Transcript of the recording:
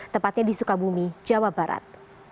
tepatnya di sukabumi jawa barat